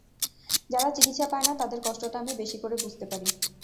যারা চিকিৎসা পায় না, তাদের কষ্টটা আমি বেশি করে বুঝতে পারি।